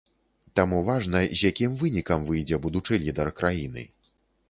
Таму важна, з якім вынікам выйдзе будучы лідар краіны.